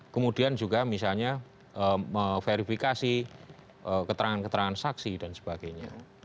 kemudian juga misalnya verifikasi keterangan keterangan saksi dan sebagainya